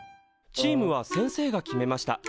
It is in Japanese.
チームは先生が決めました。